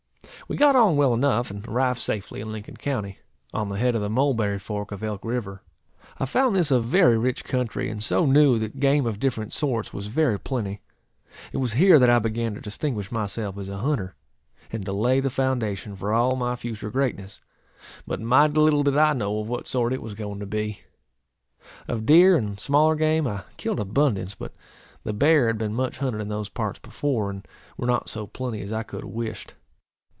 We got on well enough, and arrived safely in Lincoln county, on the head of the Mulberry fork of Elk river. I found this a very rich country, and so new, that game, of different sorts, was very plenty. It was here that I began to distinguish myself as a hunter, and to lay the foundation for all my future greatness; but mighty little did I know of what sort it was going to be. Of deer and smaller game I killed abundance; but the bear had been much hunted in those parts before, and were not so plenty as I could have wished.